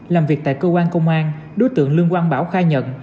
làm việc tại cơ quan công an đối tượng lương quang bảo khai nhận